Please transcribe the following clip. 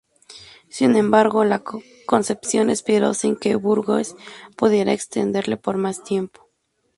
Sin embargo, la concesión expiró sin que Bourgeois pudiera extenderla por más tiempo.